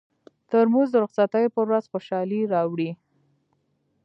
ترموز د رخصتۍ پر ورځ خوشالي راوړي.